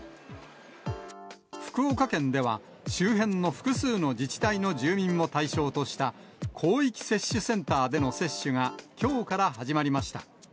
福岡県では、周辺の複数の自治体の住民を対象とした広域接種センターでの接種がきょうから始まりました。